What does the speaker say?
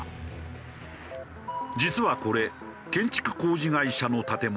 実はこれ建築工事会社の建物なのだが。